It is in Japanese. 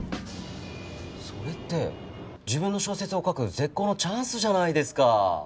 それって自分の小説を書く絶好のチャンスじゃないですか？